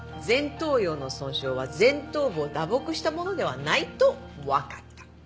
前頭葉の損傷は前頭部を打撲したものではないとわかった。